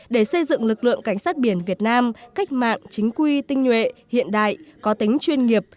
để xây dựng lực lượng cảnh sát biển việt nam cách mạng chính quy tinh nhuệ hiện đại có tính chuyên nghiệp